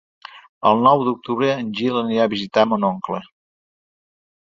El nou d'octubre en Gil anirà a visitar mon oncle.